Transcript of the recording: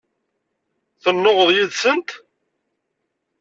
Tennuɣeḍ yid-sent?